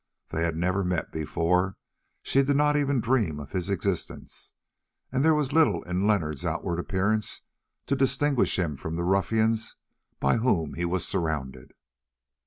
They had never met before, she did not even dream of his existence, and there was little in Leonard's outward appearance to distinguish him from the ruffians by whom he was surrounded.